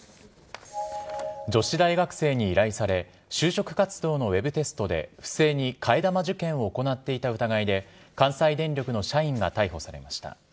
女子大学生に依頼され、就職活動のウエブテストで、不正に替え玉受験を行っていた疑いで、関西電力の社員が逮捕されました。